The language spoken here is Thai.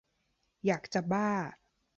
อยากจะบ้า